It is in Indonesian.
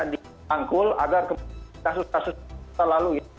di rangkul agar kemudian kasus kasus terlalu